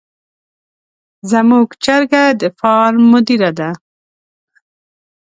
زموږ چرګه د فارم مدیره ده.